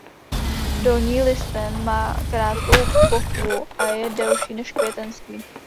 Dolní listen má krátkou pochvu a je delší než květenství.